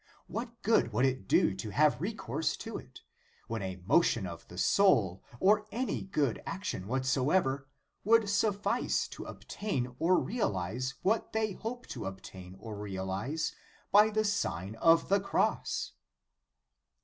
What good would it do to have recourse to it, when a motion of the soul, or any good action whatsoever, would suffice to obtain or realize what they hope to obtain or realize by the Sign of the Cross